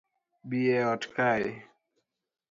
Bi eot kae